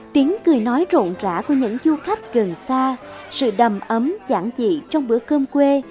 tiếng cười nói rộn rã của những du khách gần xa sự đầm ấm chẳng dị trong bữa cơm quê